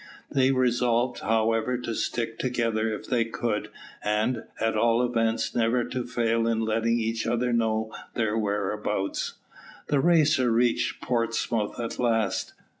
They resolved, however, to stick together if they could, and, at all events, never to fail in letting each other know their whereabouts. The Racer reached Portsmouth at last.